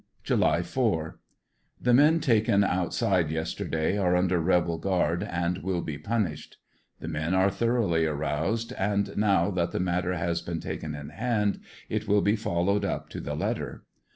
July 4, — The men taken outside yesterday are under rebel guard and will be punished. The men are thoroughly aroused, and now that the matter has been taken in hand, it will be followed up to the letter.